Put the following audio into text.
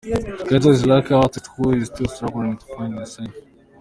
Kenzo is a lucky artiste who is still struggling to find himself”.